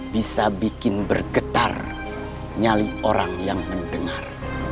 bisa bikin bergetar nyali orang yang mendengar